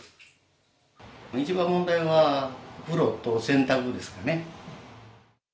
一番問題は、風呂と洗濯ですかね。